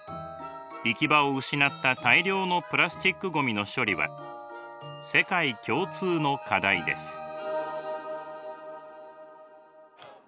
行き場を失った大量のプラスチックごみの処理は世界共通の課題です。